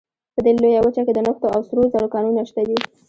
په دې لویه وچه کې د نفتو او سرو زرو کانونه شته دي.